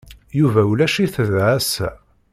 Yuba ulac-it da ass-a.